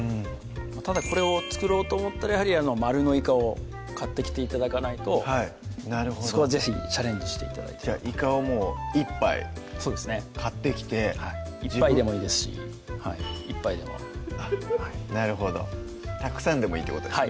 ただこれを作ろうと思ったらやはりまるのいかを買ってきて頂かないとなるほどそこは是非チャレンジして頂いてじゃあいかを１杯買ってきてはいいっぱいでもいいですし１杯でもなるほどたくさんでもいいってことですね